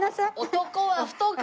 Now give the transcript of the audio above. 男は太く。